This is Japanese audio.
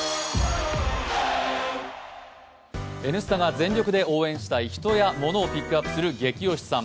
「Ｎスタ」が全力で応援したい人やモノをピックアップする「ゲキ推しさん」。